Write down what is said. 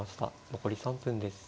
残り３分です。